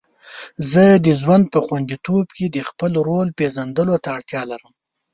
زه د ژوند په خوندیتوب کې د خپل رول پیژندلو ته اړتیا لرم.